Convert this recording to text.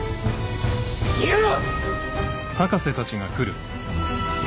逃げろ！